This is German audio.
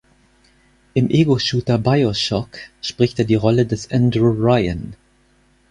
Im Ego-Shooter Bioshock spricht er die Rolle des Andrew Ryan.